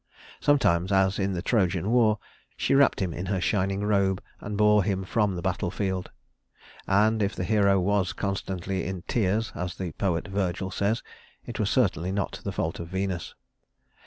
Sometimes, as in the Trojan war, she wrapped him in her shining robe and bore him from the battle field; and if the hero was constantly in tears, as the poet Virgil says, it was certainly not the fault of Venus.